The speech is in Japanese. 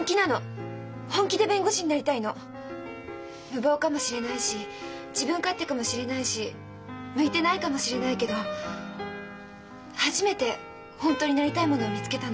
無謀かもしれないし自分勝手かもしれないし向いてないかもしれないけど初めて本当になりたいものを見つけたの。